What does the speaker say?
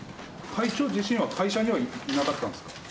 会長自身は会社にはいなかったんですか。